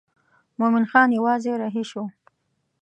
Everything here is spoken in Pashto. مومن خان یوازې رهي شو.